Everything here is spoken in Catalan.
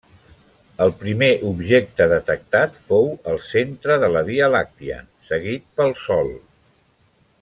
El primer objecte detectat fou el centre de la Via Làctia, seguit pel Sol.